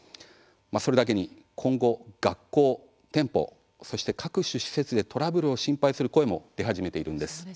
それだけに今後、学校、店舗そして各種施設でトラブルを心配する声も出始めているんです。